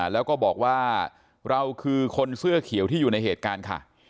แล้วก็บอกว่าเราคือคนเสื้อเขียวที่อยู่ในเหตุการณ์ค่ะ